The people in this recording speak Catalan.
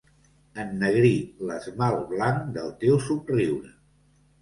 Ennegrir l'esmalt blanc del teu somriure.